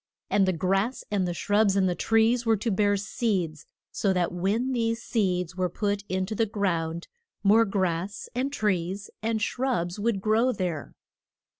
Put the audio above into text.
And the grass and the shrubs and the trees were to bear seeds, so that when these seeds were put in to the ground more grass and trees and shrubs would grow there.